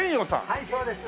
はいそうです。